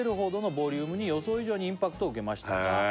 「ボリュームに予想以上にインパクトを受けましたが」